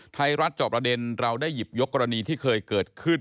ไทยรัฐจอบประเด็นเราได้หยิบยกกรณีที่เคยเกิดขึ้น